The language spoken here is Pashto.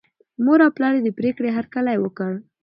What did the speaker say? مور او پلار یې د پرېکړې هرکلی وکړ.